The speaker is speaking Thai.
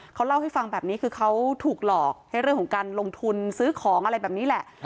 เขาเล่าให้ฟังแบบนี้คือเขาถูกหลอกให้เรื่องของการลงทุนซื้อของอะไรแบบนี้แหละ